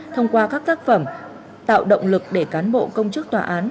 thông qua các tác phẩm tạo động lực để cán bộ công chức tòa án